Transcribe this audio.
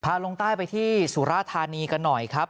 ลงใต้ไปที่สุราธานีกันหน่อยครับ